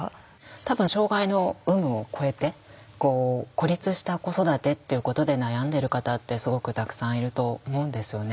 多分障害の有無を超えて孤立した子育てっていうことで悩んでいる方ってすごくたくさんいると思うんですよね。